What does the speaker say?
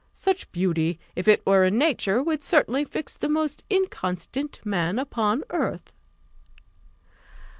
Such beauty, if it were in nature, would certainly fix the most inconstant man upon earth."